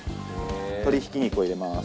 鶏ひき肉を入れます。